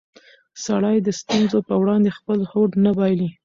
سړی د ستونزو په وړاندې خپل هوډ نه بایلي